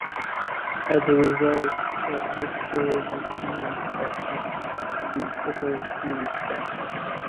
As a result of Mr McKinnon's actions, we suffered serious damage.